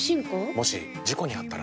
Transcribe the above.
もし事故にあったら？